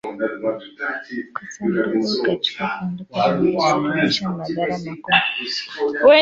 Kosa dogo katika kuandika linaweza kusababisha madhara makubwa.